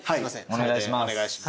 お願いします。